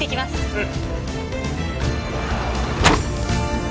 うん。